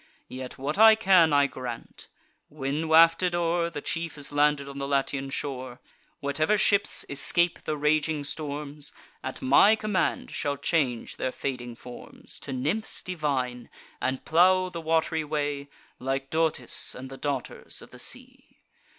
Yet, what I can, I grant; when, wafted o'er, The chief is landed on the Latian shore, Whatever ships escape the raging storms, At my command shall change their fading forms To nymphs divine, and plow the wat'ry way, Like Dotis and the daughters of the sea."